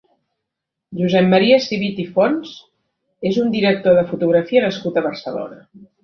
Josep Maria Civit i Fons és un director de fotografia nascut a Barcelona.